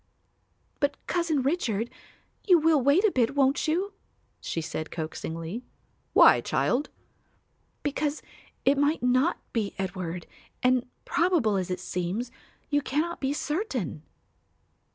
"But, Cousin Richard, you will wait a bit, won't you?" she said coaxingly. "Why, child?" "Because it might not be Edward, and, probable as it seems, you cannot be certain."